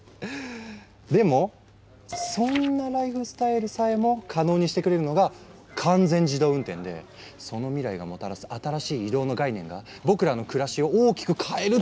でもそんなライフスタイルさえも可能にしてくれるのが完全自動運転でその未来がもたらす新しい移動の概念が僕らの暮らしを大きく変えるって。